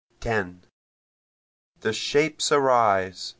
10 The shapes arise!